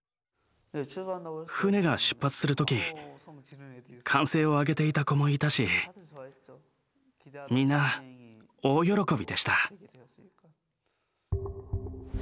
船が出発する時歓声を上げていた子もいたしみんな大喜びでした。